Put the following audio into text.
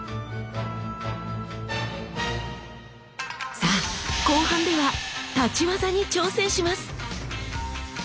さあ後半では立ち技に挑戦します。